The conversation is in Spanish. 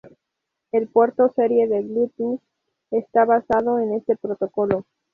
El puerto serie de Bluetooth está basado en este protocolo.